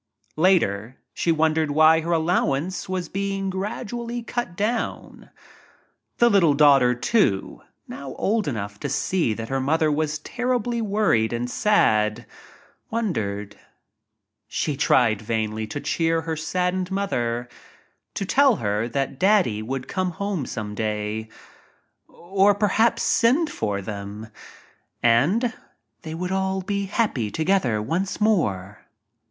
Later she wondered why her allowance was being gradualy cut down. The little daughter, too, now old enough to see that her mother was terribly worried and sad, wondered. She tried vainly to cheer her saddened mother — to tell her that "Dad dy" would come home some day — or perhaps send for them — and they would all be happy together once more.